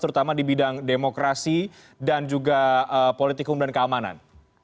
terutama di bidang demokrasi dan juga politikum dan keamanan